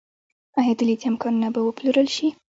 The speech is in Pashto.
آیا د لیتیم کانونه به وپلورل شي؟